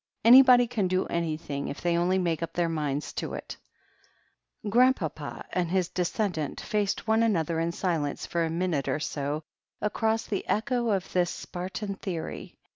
Anybody can do anything, if they only make up their minds to it" Grandpapa and his descendant faced one another in silence for a minute or so across the echo of this Spar tan theory.